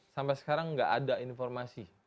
sampai sekarang nggak ada informasi